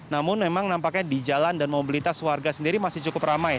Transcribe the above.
namun memang nampaknya di jalan dan mobilitas warga sendiri masih cukup ramai